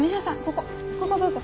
ここどうぞ。